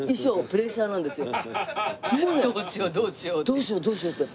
「どうしようどうしよう」って。